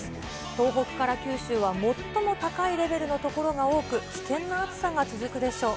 東北から九州は最も高いレベルの所が多く、危険な暑さが続くでしょう。